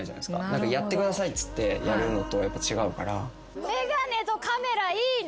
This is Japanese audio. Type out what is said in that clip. やってくださいっつってやるのとやっぱ違うから。